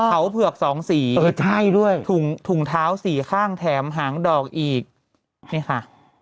เขาเผือกสองสีเออใช่ด้วยถุงถุงเท้าสี่ข้างแถมหางดอกอีกนี่ค่ะ